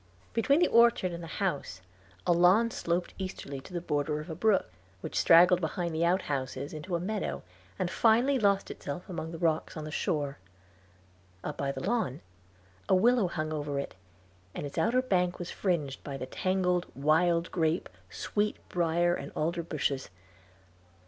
Between the orchard and the house a lawn sloped easterly to the border of a brook, which straggled behind the outhouses into a meadow, and finally lost itself among the rocks on the shore. Up by the lawn a willow hung over it, and its outer bank was fringed by the tangled wild grape, sweet briar, and alder bushes.